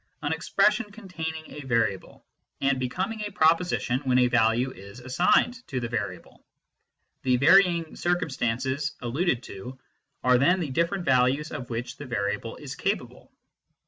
an expression containing a variable, and becoming a pro position when a value is assigned to the variable ; the varying " circumstances " alluded to are then the different values of which the variable is capable.